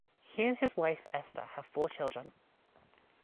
He and his wife, Esther, have four children.